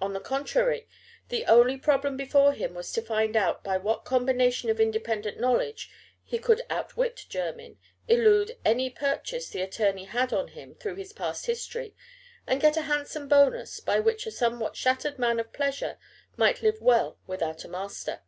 On the contrary, the only problem before him was to find out by what combination of independent knowledge he could outwit Jermyn, elude any purchase the attorney had on him through his past history, and get a handsome bonus, by which a somewhat shattered man of pleasure might live well without a master.